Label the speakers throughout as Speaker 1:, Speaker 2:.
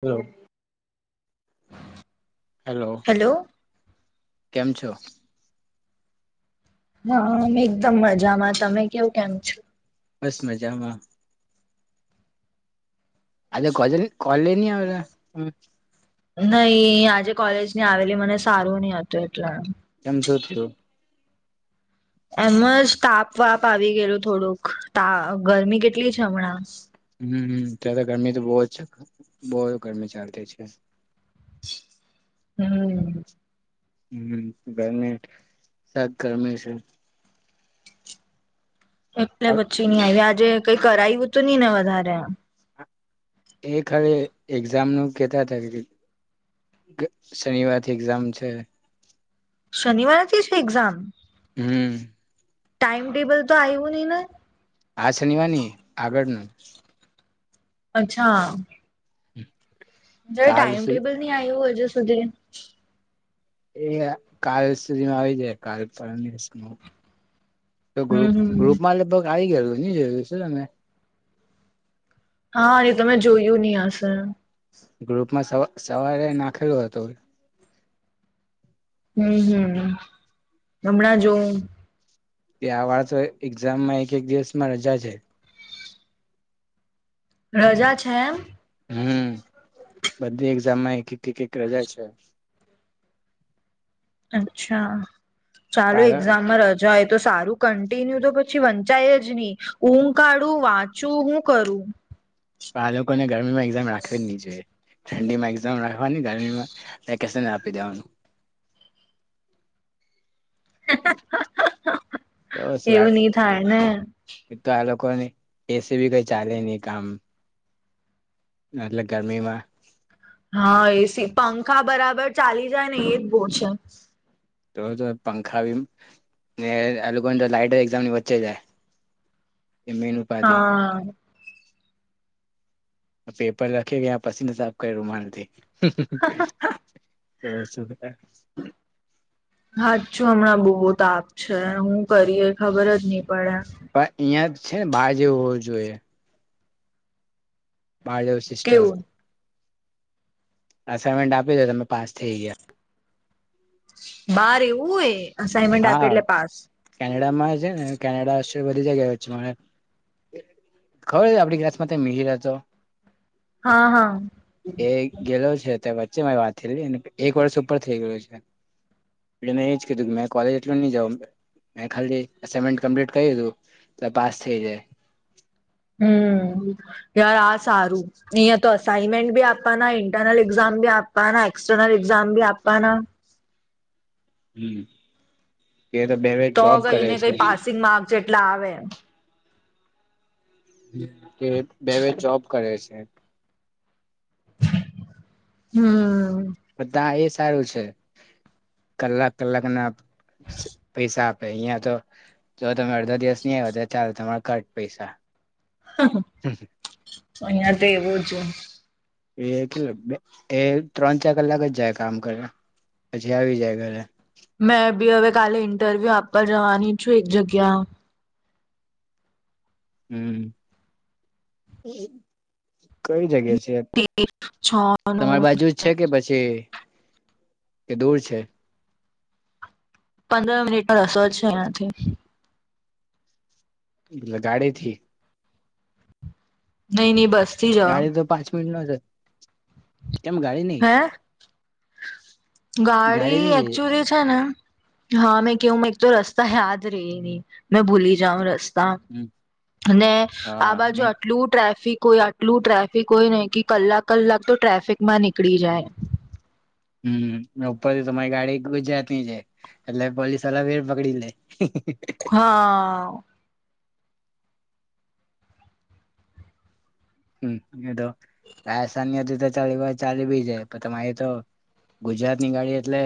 Speaker 1: હાલો hello કેમ છો? [unintelligible]
Speaker 2: હા એકદમ મજામાં તમે કેવું કેમ છો?
Speaker 1: બસ મજામાં. આજે કોલેજ ન નહીં આવેલા!
Speaker 2: નઈ આજે કોલેજ ની આવેલી મને સારું ની હતું એટલે.
Speaker 1: કેમ શું થયું?
Speaker 2: એમજ તાવ વાપ આવી ગયેલું થોડુંક તા ગરમી કેટલી છે હમણાં.
Speaker 1: હમ્મત્યારે તો ગરમી તો બહુ જ છે. બહુ ગરમી ચાલતી છે.
Speaker 2: હમ્મ. [unintelligible]
Speaker 1: હમ્મ ગરમી સખત ગરમી છે.
Speaker 2: એટલે વચ્ચી ની‌ આવી આજે [unintelligible] કઈ કરાયું તો નહી ને વધારે!
Speaker 1: એક ખાલી એક્ઝામ નું કેતા હતા શનિવાર થી એક્ઝામ છે.
Speaker 2: શનિવાર છે. છે. એક્ઝામ
Speaker 1: હમ [unintelligible]
Speaker 2: ટાઈમટેબલ તો આવ આવ્યું નહીં
Speaker 1: આ શનિવારની આગળ ના
Speaker 2: અચ્છા.
Speaker 1: હમ [unintelligible]
Speaker 2: જે ટાઈમ ટેબલ ન આવ્યું હોય જ. સુધે [unintelligible]
Speaker 1: એ કાલ સુધીમાં આવી જાય કાલ ત્રણ દિવસ ન તો
Speaker 2: હમ
Speaker 1: ગ્રુપ
Speaker 2: હમ
Speaker 1: ગ્રુપમાં લઈએ તો ગાય ગરની જરૂર છે તમે
Speaker 2: હા એ તમે જોયું નહી આસ
Speaker 1: ગ્રુપમાં સ સવારે નાખેલું હતું
Speaker 2: હમ હમ હમણાં જો
Speaker 1: ત્યાં વાળ તો એક્ઝામમાં એક એક દિવસમાં રજા છે.
Speaker 2: રજા છે એમ
Speaker 1: હમ બધી એક્ઝામમાં એક એક એક રજા છે.
Speaker 2: અચ્છા ચાલુ
Speaker 1: પણ
Speaker 2: એક્ઝામમાં રજા હોય તો સારું કન્ટિન્યુ તો પછી વંચાય જ નહી ઊં કાડું વાંચું હું કરું
Speaker 1: કાલે કોને ગરમીમાં એકક્ઝામ રાખે નિ જેે ઠંડી મેક્સમમ રાખવાની ગરમીમાં વેકેશન આપી દેવાનું તો
Speaker 2: હ
Speaker 1: શું
Speaker 2: એવું નહ થાય ને
Speaker 1: કો એસી બી કઈ ચાલે નહી કામ એટલે ગરમીમાં
Speaker 2: હા એસી પંખા બરાબર ચાલી જાય ને એજ બોલ છે.
Speaker 1: તો તો પંખા બી ને લોકોને તો લાઈટ એકામની વચ્ચે જાય એ મેનું પા દે
Speaker 2: હા
Speaker 1: પેપર રખે કેયા પસીના સાપ કર્યું રૂમાલથી. તો શું.
Speaker 2: હાચું હમણાં બહુ તાપ છે હું કરીએ ખબર જ નહી પડે.
Speaker 1: પણ અહિયાં છે ને ભાઈ જેવ હોવું જોઈએ [unintelligible] સિસ્ટમ.
Speaker 2: કેવું
Speaker 1: અસાઈનમેન્ટ આપી દ તમે પાસ થઈ ગયા.
Speaker 2: બાર એવું એ અસાઇનમેન્ટ આપે
Speaker 1: હા
Speaker 2: એટલે પાસ
Speaker 1: કેનેડા માં છે ને કેનેડા બધી જગ્યા છે ખબર આપડી ક્લાસ માં મીર હથો
Speaker 2: હા હા
Speaker 1: ગેલો છે તે વચ્ચે વાત [unintelligible] એક વર્ષ ઉપર થઈ ગયો [unintelligible] જ કેધું મે કોલેજ એટલું ની જામ મે ખાલી એસાઈમેન્ટ કમ્પ્લીટ કરી દીધું ને પાસ થઈ જાય
Speaker 2: હમ યાર આ સારું અહીં તો અસાઈનમેન્ટ ભી આપવાના ઇન્ટરનલ એક્ઝામ ભી આપવાના એક્સટર્નલ એક્ઝામ ભી આપવાના
Speaker 1: હમ. એ તો બે બે જોબ કરે
Speaker 2: કઈને
Speaker 1: છે.
Speaker 2: કઈ પાસિંગ માર્ક જેટલા આવે
Speaker 1: કે બે બે જોબ કરે છે. એ.
Speaker 2: હમ.
Speaker 1: બધાં એ સારું છે કલાક કલાકના પૈસા અહિયાં તો જો તમે અડધો દિવસ ની આયવા તો ચાલો તમારે કટ પૈસા
Speaker 2: અહં અહીયા તો એવું જ.
Speaker 1: એ કે એ ત્રણ ચાર કલાક જ જાય કામ કરે પછી આવી જાય ઘરે.
Speaker 2: મેં બી હવે કાલે ઇન્ટરવ્યુ આપવા જવાની છું એક જગ્યા.
Speaker 1: હમ કઈ જગ્યા છે.
Speaker 2: છ
Speaker 1: તમારી
Speaker 2: નું
Speaker 1: બાજુ જ છે કે પછી કે દૂર છે.
Speaker 2: પંદર મિનિટનો રસ્તો નો છે એયાથી.
Speaker 1: એટલે ગાડીથી.
Speaker 2: નઈ નઈ. થી જવા
Speaker 1: ગાડી તો. [unintelligible] નઈ
Speaker 2: હે, ગાડી
Speaker 1: નઈ લઈ
Speaker 2: એકચુલી છે ને હા મેં કહું એક તો રસ્તા યાદ રેય ની, મેં ભૂલી જાઉ રસ્તા.
Speaker 1: હમ
Speaker 2: તા, ને આ
Speaker 1: હા
Speaker 2: બાજુ
Speaker 1: ને
Speaker 2: આટલું ટ્રાફિક કોઈ આટલું ટ્રાફિક હોય ને કે કલાક કલાક તો ટ્રાફિકમાં નિ નિકડી જાય.
Speaker 1: હમ ઉપરથી તમારી ગાડી ગુજરાતીની છે, એટલે પોલીસ વાલા ફેર પકડી લે.
Speaker 2: હા.
Speaker 1: હમ એ તો. [unintelligible] ચાલી ભી જાય, તમા એ તો ગુજરાત ની ગાડી એટલે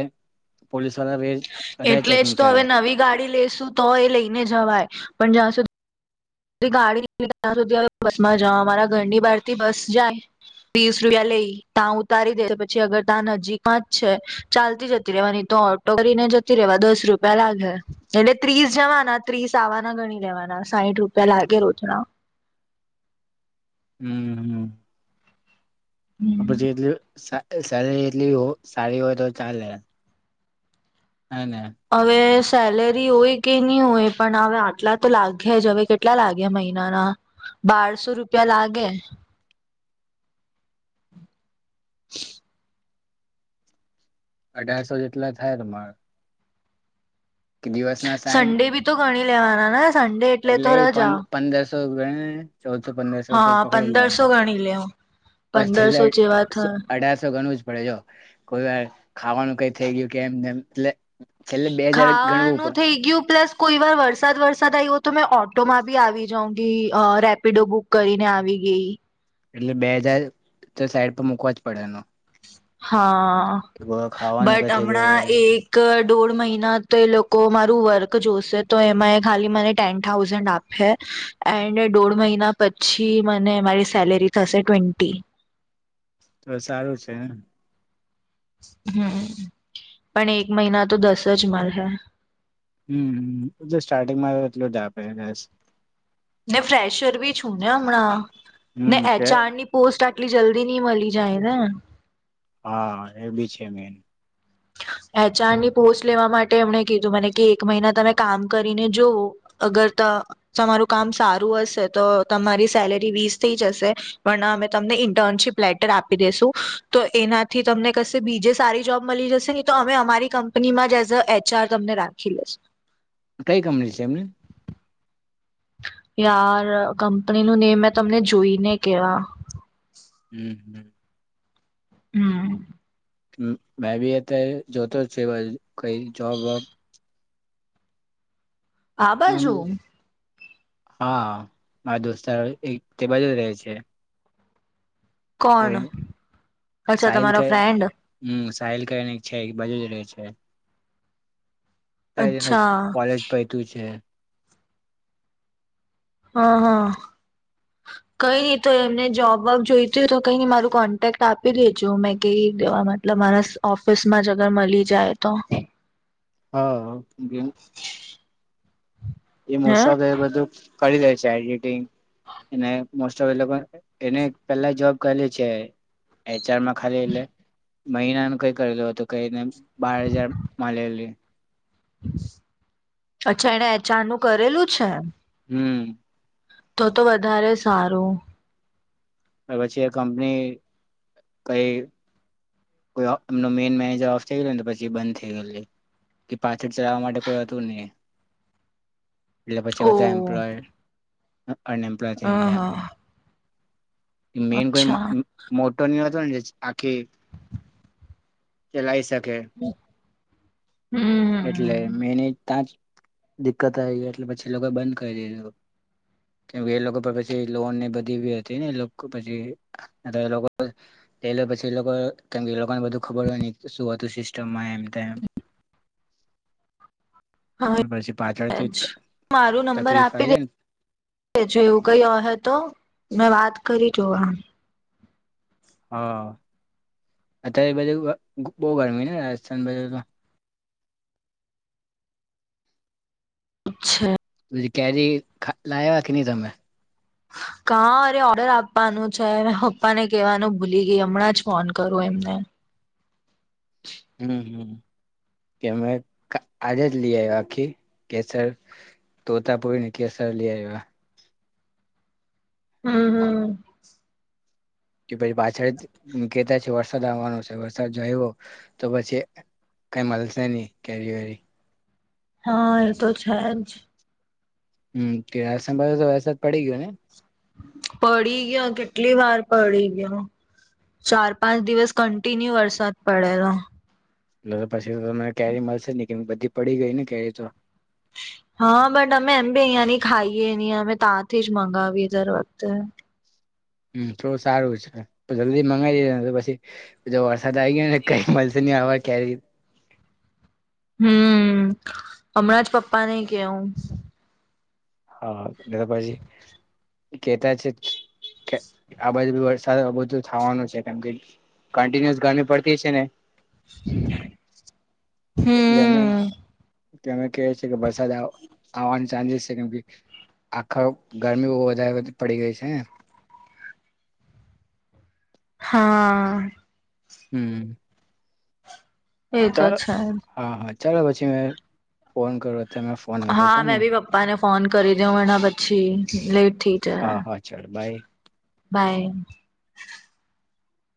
Speaker 1: પોલીસ વાળા વધારે
Speaker 2: એટલે જ
Speaker 1: ચેકિંગ
Speaker 2: તો
Speaker 1: કરે
Speaker 2: હવે નવી ગાડી લેશુ તો એ લઈને જવાય, પણ જ્યાં સુધી ગાડી ત્યાં સુધી હ બસ માં જવા અમારા ઘરની બહાર થી બસ જાય, ત્રીસ રૂપિયા લઈ ત્યાં ઉતારી દે પછી અગર ત્યાં નજીકમાં જ છે, ચાલતી જતી રવાની તો ઓટો કરીને જતી રેવા દસ રૂપિયા લાગે, એટલે ત્રીસ જવાના ત્રીસ આવવાના ગણી રેવાના સાઈઠ રૂપ પેલા કે રોજના.
Speaker 1: હમ હમ. અ
Speaker 2: હમ
Speaker 1: જેટલે સેરી એટલી સારી હોય તો ચાલે. હેને
Speaker 2: હવે સેલેરી હોય કે નહી હોય પણ હવે આટલા તો લાગ્યા જ હવે કેટલા લાગ્યા મહિનાના, બારસો રૂપિયા લાગે.
Speaker 1: અઢારસો જેટલા થાય તમારા. કે દિવસ ના સાઈબ
Speaker 2: સન્ડે બી તો ગણી લેવાના. સંડે એટલે તો રજા.
Speaker 1: સગળ [unintelligible] ચૌદસો પંદરસો તો
Speaker 2: હા
Speaker 1: પકડી
Speaker 2: પંદરસો
Speaker 1: લેવાનું,
Speaker 2: ગણી લે
Speaker 1: પ છેલ્લા
Speaker 2: પંદરસો જેવા થયા
Speaker 1: અઢારસો ગણું જ પડે જો, કોઈ વાર ખાવાનું કઈ થઈ ગયું કે એમ એટલે છેલ્લે બે હજાર ગણવું
Speaker 2: ખાવાનું
Speaker 1: પડે
Speaker 2: થઇ ગયું પ્લસ કોઈ વાર વરસાદ વરસાદ આવ્યો તો મેં ઓટો માં બી આવી જાઉ રેપિડો બુક કરીને આવી ગઈ.
Speaker 1: એટલે બે હજાર તો સાઈડ પર મુકવા જ પડે એનો.
Speaker 2: હા.
Speaker 1: ખાવાનું
Speaker 2: બટ
Speaker 1: કઈ થઈ
Speaker 2: હમણાં
Speaker 1: ગયું
Speaker 2: એક દોઢ મહિના તો એ લોકો મારું વર્ક જોશે તો એમાં એ ખાલી મને ટેન થાઉઝન્ડ આપે, એન્ડ દોઢ મહિના પછી મને મારી સેલેરી થશે ટ્વેન્ટી.
Speaker 1: તો સારું છે એમ.
Speaker 2: હમ, પણ એક મહિના તો દસ જ મળે.
Speaker 1: હમ સ્ટાર્ટિંગમાં એટલું જ આપેસ.
Speaker 2: ને ફ્રેશર બી છું ને હમણાં, ને એચ
Speaker 1: કે
Speaker 2: આર ની પોસ્ટ એટલી જલ્દી નહી મળી જાય ને.
Speaker 1: હા એ બી છે મેન.
Speaker 2: એચઆરની પોસ્ટ લેવા માટે એમણે કીધું મને કે એક મહિના તમે કામ કરીને જોવઓ, અગર તમારું કામ સારું હશે તો તમારી સેલેરી વીસ થઇ જશે, પણ અમે તમને ઇન્ટર્નશીપ લેટર આપી દેસું, તો એનાથી તમને કશે બીજે સારી જોબ મળી જશે ન તો અમે અમારી કંપનીમાં જ એઝ અ એચઆર તમને રાખી લેશ
Speaker 1: કઈ કંપની છે એમની
Speaker 2: યાર કંપની નું નેમ મેં તમને જોઈને કેવા
Speaker 1: હમ, હમ
Speaker 2: હમ
Speaker 1: મે ભી એ તો જો તો સ કઈ જોબ વબ
Speaker 2: આ બાજુ
Speaker 1: મળી. હા મારા દોસ્તારો તે બધો રહે છે તો
Speaker 2: કોણ અચ્છા
Speaker 1: સાહિલક
Speaker 2: તમારો ફ્રેન્ડ
Speaker 1: હમ સાહિલકને છે બજું જ રહે છે અ એનું
Speaker 2: અચ્છા
Speaker 1: કોલેજ પૈતું છે
Speaker 2: હા, હા, કઈ નઈ તો એમને જોબ જ જોઈતી હોય તો કઈ નઈ મારું કોન્ટેક્ટ આપી દેજું મેં કહી દેવા મતલબ મારા ઓફિસમાં જ અગર મળી જાય તો
Speaker 1: હા [unintelligible] એ
Speaker 2: હે
Speaker 1: મોસા ગ બધું કરી લે છે એડિટિંગ એ મોસ્ટ ઓફ લોકો એને પેલા જોબ કરલી છે ચારમાં ખાલી એલે મહિનાનું કઈ કરેલું હતું કઈને બાર હજાર મળેલી
Speaker 2: અચ્છા એને એચઆર નું કરેલું છે
Speaker 1: હમ
Speaker 2: તો તો વધારે સારું
Speaker 1: પછી એ કંપની કઈ કો એમનો મેન મેનેજર ઓફ થઈ ગય ને પછી બંધ થઈ ગયેલી કે પાછળ ચલાવવા માટે કોઈ હતું ની મલે એટલે પછી
Speaker 2: ઓ
Speaker 1: બધા એમ્પ્લોય અન એમ્પ્લોય
Speaker 2: હ
Speaker 1: થઈ ગયા
Speaker 2: હા
Speaker 1: મેન કોઈ
Speaker 2: અચ્છા
Speaker 1: મોટોની આખી ચલાઈ શકે ઓકે
Speaker 2: હમ
Speaker 1: એટલે મેને ત્યાં જ દિકકત આવી ગઈ એટલે પછી લોકો બંધ કરી દીધું, કેમકે એ લોકો પછી લોન ની બધી હતી ને એ લોકો પછી એ લોકો પછી એ લોકો કેમ એ લોકોને બધું ખબર હોય ન શું હતું સિસ્ટમમાં એમ તેમ પછી
Speaker 2: હા,
Speaker 1: પાછળથી ત-
Speaker 2: મારું નંબર
Speaker 1: તકલીફ
Speaker 2: આપી
Speaker 1: આવી
Speaker 2: દે
Speaker 1: જાય ને
Speaker 2: જો એવું કઈ અહે તો મેં વાત કરી જોવા
Speaker 1: હા, અત્યારે બધું બહ ગરમી ને રાજસ્થાન બાજુ તો
Speaker 2: અચ્છા
Speaker 1: કેરી લાવવા કે નહી તમે
Speaker 2: કા અરે ઓર્ડર આપવાનું છે પપ્પા ને કેહેવાનું ભૂલી ગઈ હમણાં જ ફોન કરો એમને
Speaker 1: હમ, હમ કે મેમે આજે જ લઈ આવ્યા આખી કેસર, તોતાપૂરીને, કેસર લઈ આવ્યા
Speaker 2: હમ, હમ
Speaker 1: કે પછી પાછળ કેતા વરસાદ આવવાનો છે વરસાદ જોય્યો તો પછી કઈ મળશે નહી કેરી વરી
Speaker 2: હા એ તો છે જ
Speaker 1: હમ કે આસ તો વરસાદ પડી ગયો ને
Speaker 2: પડી ગયો કેટલી વાર પડી ગયો ચાર પાંચ દિવસ કન્ટિન્યુ વરસાદ પડેલો.
Speaker 1: એટલે તો પછી મને કેરી મળશે ને કે બધી પડી ગઈ ને કેરી તો
Speaker 2: હા બટ અમે એમી અહયાની ખાઈએ નહી અમે ત્યાથી જ મંગાવીએ દર વખતે
Speaker 1: હમ થોડું સારું છે જલ્દી મંગાવી દેને તો પછી બ સદ ગ કઈ મસની આવાજ કે્યારે
Speaker 2: હમ હમણાં જ પપ્પા નને કેવું
Speaker 1: હા એટ તો પછી કેતા છે આ બાજુ વરસાદ બધું થવાનું છે કેમ કે કન્ટિન્યુઅસ ગરમી પડતી છે ને
Speaker 2: [inaudible]
Speaker 1: ગમે
Speaker 2: હમ
Speaker 1: કેમે કે છે કે વરસાદ આવ આવવાન ચાન્સીસ છે. કેમ કે આખો ગરમી બ વધારે પડી ગઈ છે
Speaker 2: હા
Speaker 1: હમ્મ
Speaker 2: એતો છે.
Speaker 1: હા હા ચાલો પછી મેં ફોન કરો
Speaker 2: હા મેં બી પપ્પા ને ફોન કરી દઉં, એના પછી લેટ થઇ જહે
Speaker 1: હા હા ચાલો બાય
Speaker 2: બાય.